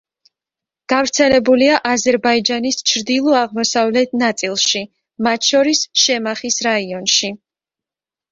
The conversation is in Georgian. გავრცელებულია აზერბაიჯანის ჩრდილო-აღმოსავლეთ ნაწილში, მათ შორის შემახის რაიონში.